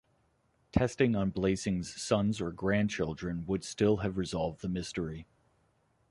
Testing on Blaesing's sons or grandchildren would still have resolved the mystery.